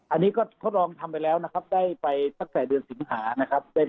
อันนี้ก็ทดลองทำไปแล้วนะครับได้ไปตั้งแต่เดือนสิงหานะครับ